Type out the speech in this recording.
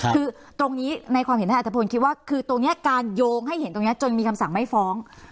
คือตรงนี้ในความเห็นท่านอัตภพลคิดว่าคือตรงนี้การโยงให้เห็นตรงนี้จนมีคำสั่งไม่ฟ้อง